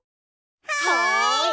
はい！